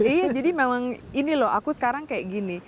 iya jadi memang ini loh aku sekarang kayak gini